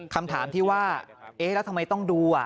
คำถามที่ว่าเอ๊ะแล้วทำไมต้องดู